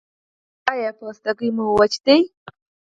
ایا پوستکی مو وچ دی؟